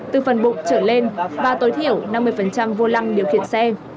từ phần bụng trở lên và tối thiểu năm mươi vô lăng điều khiển xe